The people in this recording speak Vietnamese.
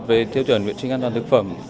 về tiêu chuẩn viện sinh an toàn thực phẩm